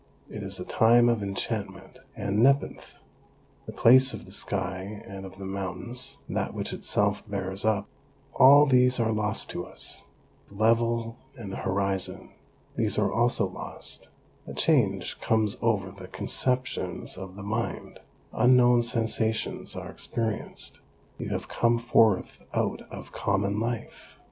It is a time of enchantment and nepenthe. The place of the sky and of the mountains, that which itself bears us up — all these are lost to us ; the level and the horizon, these are also lost ; a change comes over the conceptions of the mind, unknown sensations are experienced; you have come forth out of common life.